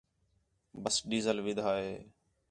بس ڈیزل وِدھا ہے